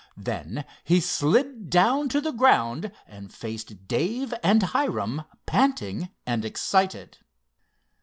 Then he slid down to the ground and faced Dave and Hiram, panting and excited.